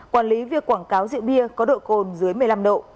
quản lý việc quảng cáo rượu bia có độ cồn dưới một mươi năm độ